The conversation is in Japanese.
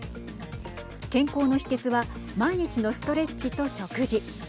健康の秘訣は毎日のストレッチと食事。